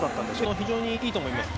非常にいいと思いますね。